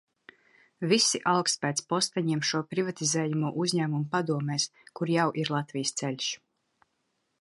"Visi alkst pēc posteņiem šo privatizējamo uzņēmumu padomēs, kur jau ir "Latvijas ceļš"."